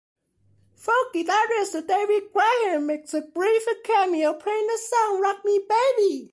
Folk guitarist Davy Graham makes a brief cameo playing the song Rock Me Baby.